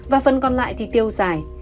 và phần còn lại thì tiêu giải